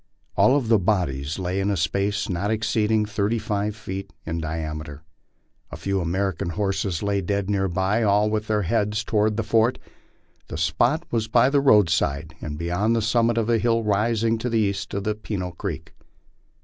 All the bodies lay in a space not exceeding thirty five feet in diameter. A few American horses lay dead near by, all with their heads toward the fort. This spot was by the roadside and beyond the summit of a hill rising to the east of Peno creek.